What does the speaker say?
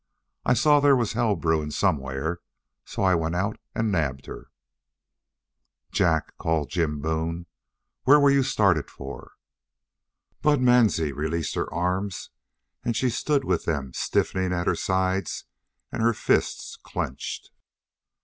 I saw there was hell brewing somewhere, so I went out and nabbed her." "Jack!" called Jim Boone. "What were you started for?" Bud Mansie released her arms and she stood with them stiffening at her sides and her fists clenched.